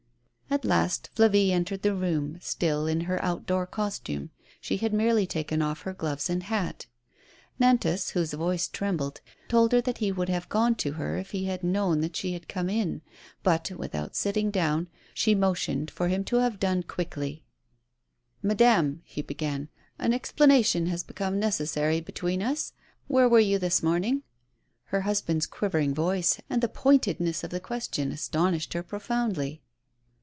At last Flavie entered the room, still in her outdoor costume; she had merely taken off* her gloves and hat. Nantas, whose voice trembled, told her that he would have g(me to her if he had known that she had come in. But, without sitting clown, she motioned to him to have done quickly. 90 A SPOILED TRIUMPH. "Madame," he began, "an explanation has become necessary between ns. Where were you this morning? " Her husband's quivering voice and the pointedness of his question astonished her profoundly.